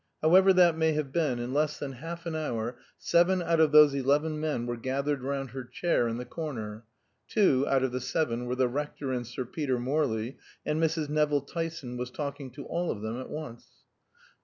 However that may have been, in less than half an hour seven out of those eleven men were gathered round her chair in the corner; two out of the seven were the rector and Sir Peter Morley, and Mrs. Nevill Tyson was talking to all of them at once.